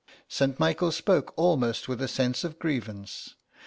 St. Michael spoke almost with a sense of grievance.